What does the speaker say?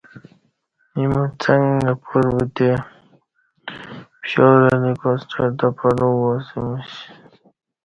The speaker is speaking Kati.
ایمو څݣ اپاربوتے پشاور اہ لی کوسٹر تہ پلوگوا سیمش